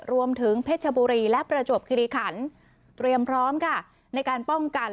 เพชรบุรีและประจวบคิริขันเตรียมพร้อมค่ะในการป้องกัน